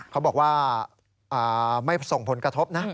เขาบอกว่าไม่ส่งผลกระทบนะ